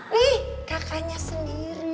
nih kakaknya sendiri